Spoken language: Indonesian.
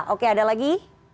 oke ada lagi